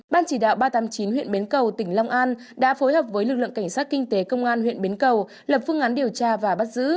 ban chỉ đạo ba trăm tám mươi chín huyện bến cầu tỉnh long an đã phối hợp với lực lượng cảnh sát kinh tế công an huyện bến cầu lập phương án điều tra và bắt giữ